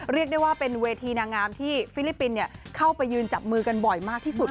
เรียกได้ว่าเป็นเวทีนางงามที่ฟิลิปปินส์เข้าไปยืนจับมือกันบ่อยมากที่สุด